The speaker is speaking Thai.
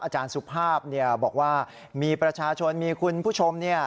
สุภาพบอกว่ามีประชาชนมีคุณผู้ชม